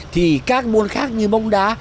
thì các môn khác như bóng đá